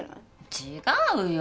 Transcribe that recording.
違うよ。